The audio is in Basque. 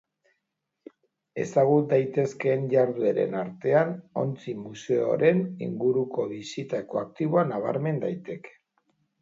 Ezagut daitezkeen jardueren artean, ontzi-museoren inguruko bisita ekoaktiboa nabarmen daiteke.